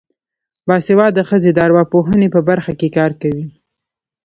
باسواده ښځې د ارواپوهنې په برخه کې کار کوي.